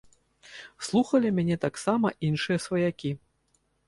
Слухалі мяне таксама іншыя сваякі.